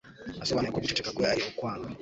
Nasobanuye ko guceceka kwe ari ukwanga.